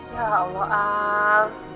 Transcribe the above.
ya allah al